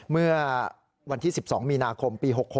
เมื่อวันที่๑๒มีนาคมปี๖๖